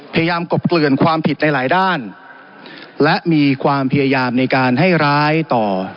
กบเกลื่อนความผิดในหลายด้านและมีความพยายามในการให้ร้ายต่อ